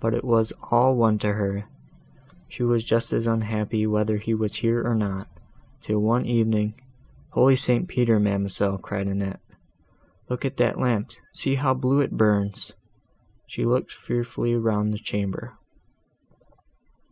but it was all one to her; she was just as unhappy whether he was here or not, till one evening, Holy St. Peter! ma'amselle," cried Annette, "look at that lamp, see how blue it burns!" She looked fearfully round the chamber.